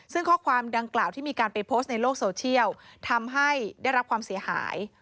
ซึ่งข้อความดังกล่าวที่มีการไปโพสต์ในโลกโซเชียลทำให้ได้รับความเสียหาย